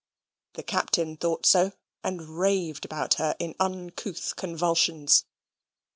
The Captain thought so, and raved about her in uncouth convulsions.